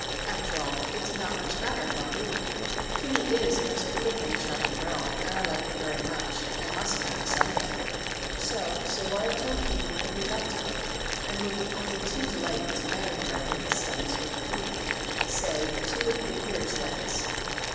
After all, it did not much matter, thought he :* Kimi is a most beautiful and charming girl, and I like her very much, and must marry some day/ So Sawara told Kimi that he loved her and would be only too delighted to marry her when his studies were complete — say two or three years thence.